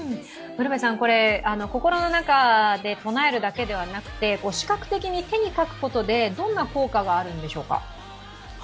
心の中で唱えるだけではなくて、視覚的に、手に書くことでどんな効果があるんでしょうか？